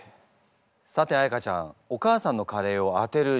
さて彩歌ちゃんお母さんのカレーを当てる自信はありますか？